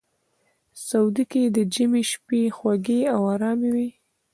سعودي کې د ژمي شپې خوږې او ارامې وي.